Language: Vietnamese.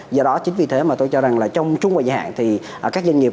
do đó chính vì thế mà tôi cho rằng là trong trung hoạt giải hạn thì các doanh nghiệp